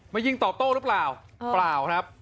ยิงตอบโต้หรือเปล่าเปล่าครับ